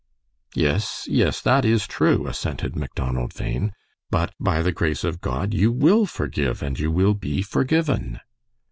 "Yes, yes. That is true," assented Macdonald Bhain. "But, by the grace of God, you will forgive, and you will be forgiven."